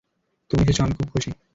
তুমি এসেছ, আমি খুব খুশি।